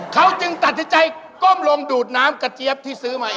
เขาจึงตัดสินใจก้มลงดูดน้ำกระเจี๊ยบที่ซื้อมา